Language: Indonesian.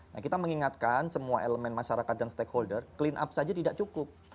nah kita mengingatkan semua elemen masyarakat dan stakeholder clean up saja tidak cukup